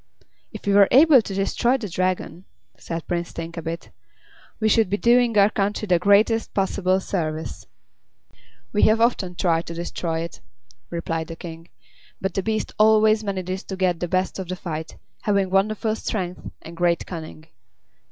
"If we were able to destroy the Dragon," said Prince Thinkabit, "we should be doing our country the greatest possible service." "We have often tried to destroy it," replied the King, "but the beast always manages to get the best of the fight, having wonderful strength and great cunning.